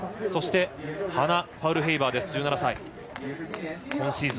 そして、ハナ・ファウルヘイバー１７歳です。